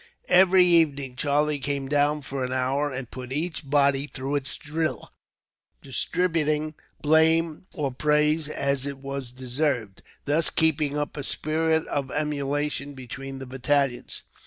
Every evening, Charlie came down for an hour, and put each body through its drill, distributing blame or praise as it was deserved, thus keeping up a spirit of emulation between the battalions.